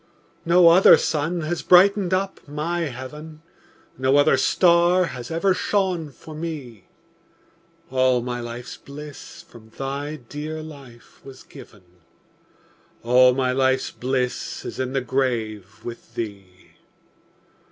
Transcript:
No other sun has brightened up my heaven, No other star has ever shone for me; All my life's bliss from thy dear life was given, All my life's bliss is in the grave with thee.